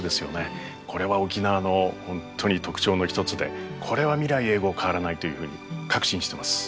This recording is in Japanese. これは沖縄の本当に特徴の一つでこれは未来永ごう変わらないというふうに確信してます。